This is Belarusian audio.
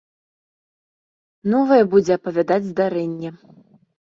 Новае будзе апавядаць здарэнне.